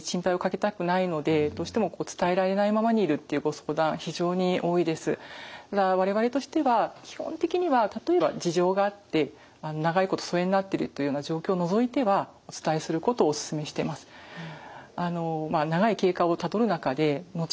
ただ我々としては基本的には例えば事情があって長いこと疎遠になってるというような状況を除いてはお伝えすることをお勧めしてます。